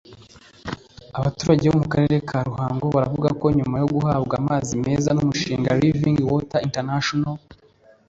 Abaturage bo mu karere ka Ruhango baravuga ko nyuma yo guhabwa amazi meza n’umushinga Living Water International